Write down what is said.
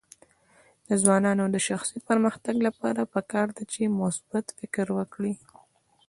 د ځوانانو د شخصي پرمختګ لپاره پکار ده چې مثبت فکر وکړي.